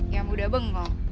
yang muda bengong